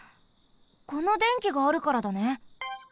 このでんきがあるからだね。